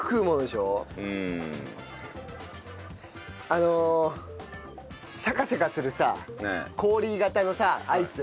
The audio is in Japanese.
あのシャカシャカするさ氷形のさアイス。